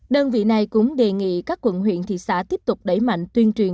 đơn vị này cũng đề nghị các quận huyện thị xã tiếp tục đẩy mạnh tuyên truyền